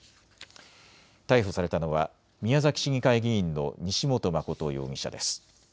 逮捕されたのは宮崎市議会議員の西本誠容疑者です。